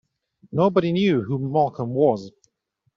Nobody knew who Malcolm was.